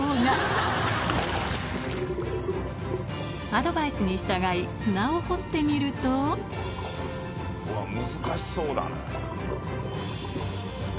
アドバイスに従い砂を掘ってみると難しそうだね。